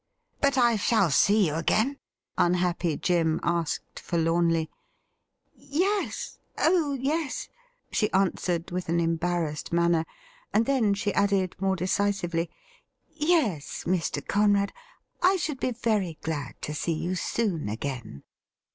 ' But I shall see you again ?'' unhappy Jim asked for lornly. ' Yes — oh yes,' she answered, with an embarrassed manner ; and then she added more decisively :' Yes, Mr. Conrad, I should be very glad to see you soon again.